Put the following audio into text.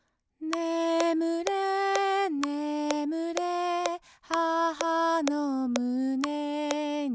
「ねむれねむれ母のむねに」